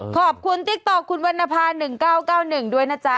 ขอบคุณติ๊กตอบคุณวันนภา๑๙๙๑ด้วยนะจ๊ะ